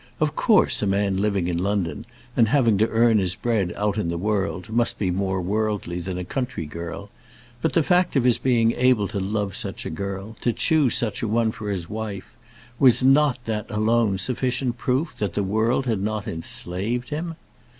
Of course a man living in London, and having to earn his bread out in the world, must be more worldly than a country girl; but the fact of his being able to love such a girl, to choose such a one for his wife, was not that alone sufficient proof that the world had not enslaved him?